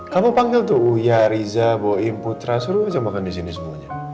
kamu panggil tuh uya riza boim putra suruh aja makan disini semuanya